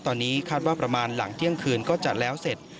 ตอนนี้คาดว่าประมาณหลังเที่ยงคืนก็จะแล้วเสร็จ